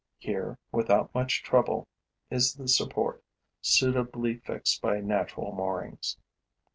Here, without much trouble, is the support, suitably fixed by natural moorings.